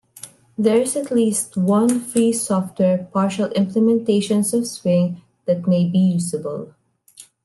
There is at least one free-software partial implementations of Swing that may be usable.